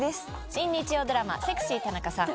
新日曜ドラマ『セクシー田中さん』。